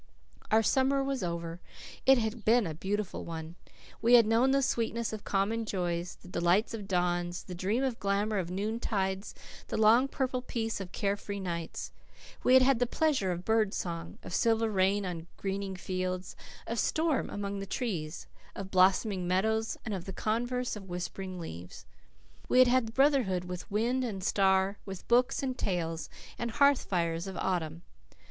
Our summer was over. It had been a beautiful one. We had known the sweetness of common joys, the delight of dawns, the dream and glamour of noontides, the long, purple peace of carefree nights. We had had the pleasure of bird song, of silver rain on greening fields, of storm among the trees, of blossoming meadows, and of the converse of whispering leaves. We had had brotherhood with wind and star, with books and tales, and hearth fires of autumn.